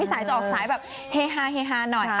พี่สายจะออกสายแบบเฮฮาหน่อย